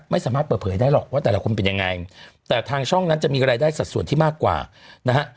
ไม่สามารถเปิดเผยได้หรอกว่าแต่ละคนเป็นยังไงแต่ทางช่องนั้นจะมีรายได้สัดส่วนที่มากกว่านะฮะ